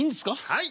「はい」。